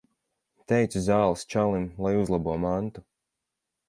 Teicu zāles čalim, lai uzlabo mantu.